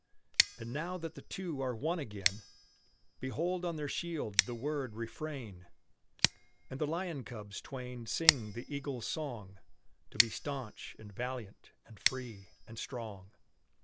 And now that the two are one again, Behold on their shield the word "Refrain!" And the lion cubs twain sing the eagle's song: "To be stanch, and valiant, and free, and strong!"